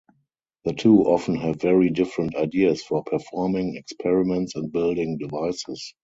The two often have very different ideas for performing experiments and building devices.